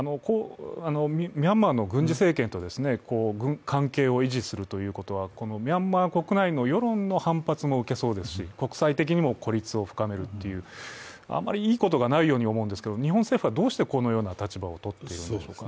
ミャンマーの軍施政権と関係を維持するということはこのミャンマー国内の世論の反発も受けそうですし国際的にも孤立を深めるという余りいいことがないように思うんですけれども、日本政府はどうして、このような立場をとっているんでしょうか。